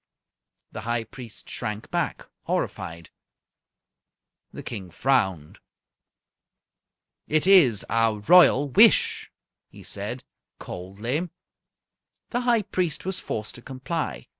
The High Priest shrank back, horrified. The King frowned. "It is our Royal wish," he said, coldly. The High Priest was forced to comply.